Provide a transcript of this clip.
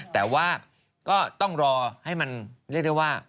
แต่ว่าก็ต้องรอให้มันเรียกได้ว่า